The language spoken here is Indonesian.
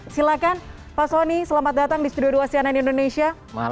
silahkan pak soni selamat datang di studio dua cnn indonesia